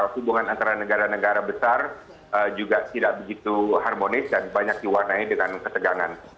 hubungan antara negara negara besar juga tidak begitu harmonis dan banyak diwarnai dengan ketegangan